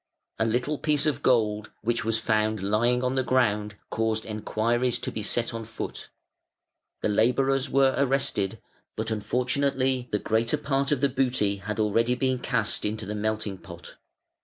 A little piece of gold which was found lying on the ground caused enquiries to be set on foot; the labourers were arrested, but unfortunately the greater part of the booty had already been cast into the melting pot.